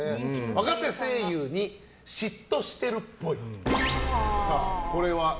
若手声優に嫉妬してるっぽい。